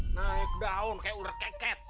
naik down kayak ura keket